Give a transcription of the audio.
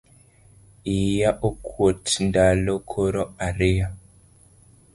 Iya okuot ndalo koro ariyo